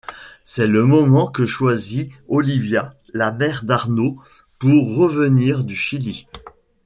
C'est le moment que choisit Olivia, la mère d'Arnaud, pour revenir du Chili.